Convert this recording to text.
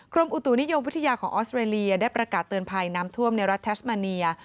อุตุนิยมวิทยาของออสเตรเลียได้ประกาศเตือนภัยน้ำท่วมในรัฐแทสมาเนีย